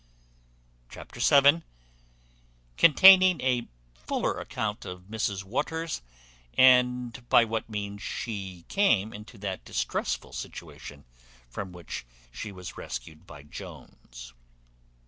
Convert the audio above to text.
Chapter vii. Containing a fuller account of Mrs Waters, and by what means she came into that distressful situation from which she was rescued by Jones.